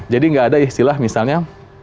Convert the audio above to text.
jadi tidak ada istilah misalnya